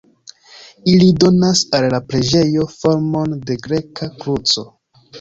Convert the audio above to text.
Ili donas al la preĝejo formon de greka kruco.